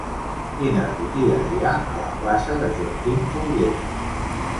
Quines botigues hi ha a la plaça de Joaquim Folguera?